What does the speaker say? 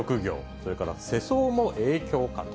それから世相も影響かと。